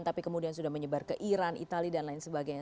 tapi kemudian sudah menyebar ke iran itali dan lain sebagainya